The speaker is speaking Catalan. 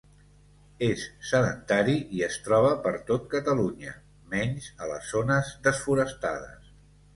És sedentari i es troba per tot Catalunya, menys a les zones desforestades.